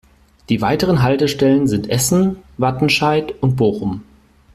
Die weiteren Haltestellen sind Essen, Wattenscheid und Bochum.